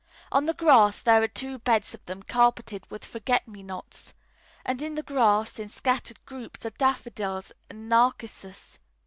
On the grass there are two beds of them carpeted with forget me nots; and in the grass, in scattered groups, are daffodils and narcissus.